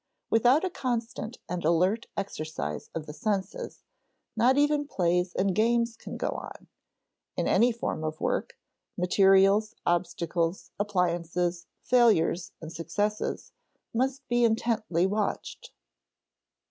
Without a constant and alert exercise of the senses, not even plays and games can go on; in any form of work, materials, obstacles, appliances, failures, and successes, must be intently watched.